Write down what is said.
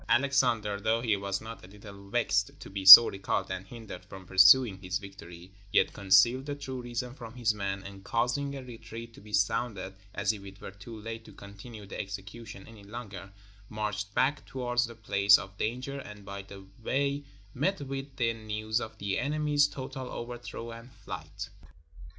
Alexander, though he was not a little vexed to be so recalled and hindered from pursuing his victory, yet concealed the true reason from his men, and causing a retreat to be sounded, as if it were too late to continue the execution any longer, marched back towards the place of danger, and by the way met with the news of the enemy's total overthrow and flight.